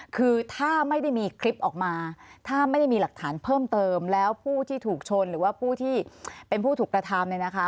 คือถ้าไม่ได้มีคลิปออกมาถ้าไม่ได้มีหลักฐานเพิ่มเติมแล้วผู้ที่ถูกชนหรือว่าผู้ที่เป็นผู้ถูกกระทำเนี่ยนะคะ